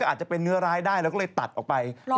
อาจจะเป็นเนื้อร้ายได้แล้วก็เลยตัดออกไป